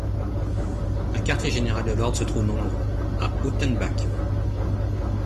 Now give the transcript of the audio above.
Un quartier général de l'ordre se trouve non loin, à Utenbach.